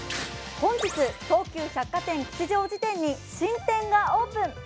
本日、東急百貨店吉祥寺店に新店がオープン。